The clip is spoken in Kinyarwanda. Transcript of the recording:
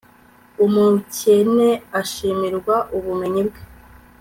umukene ashimirwa ubumenyi bwe